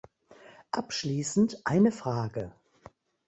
Abschließend eine Frage.